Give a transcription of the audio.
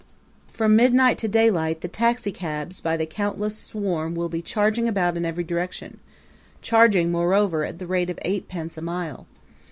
From midnight to daylight the taxicabs by the countless swarm will be charging about in every direction charging, moreover, at the rate of eight pence a mile.